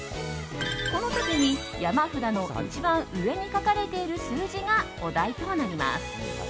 この時に山札の一番上に書かれている数字がお題となります。